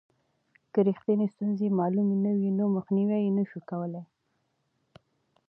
که رښتینې ستونزې معلومې نه وي نو مخنیوی یې نسو کولای.